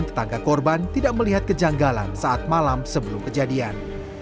tetangga korban tidak melihat kejanggalan saat malam sebelum kejadian